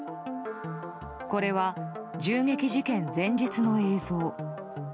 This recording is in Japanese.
これは銃撃事件前日の映像。